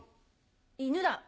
犬だ。